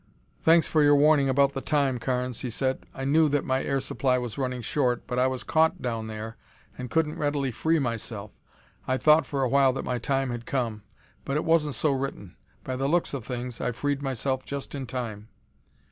"Thanks for your warning about the time, Carnes," he said. "I knew that my air supply was running short but I was caught down there and couldn't readily free myself. I thought for a while that my time had come, but it wasn't so written. By the looks of things, I freed myself just in time."